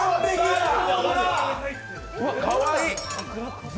かわいい！